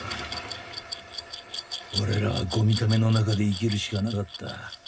俺らはゴミ溜めの中で生きるしかなかった。